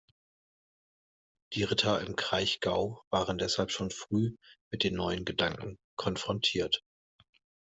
Die Ritter im Kraichgau waren deshalb schon früh mit den neuen Gedanken konfrontiert.